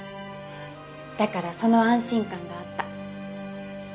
だからその安心感があった。